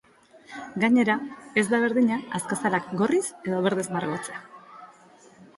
Gainera, ez da berdina azazkalak gorriz edo beltzez margotzea.